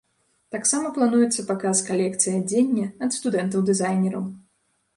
Таксама плануецца паказ калекцый адзення ад студэнтаў-дызайнераў.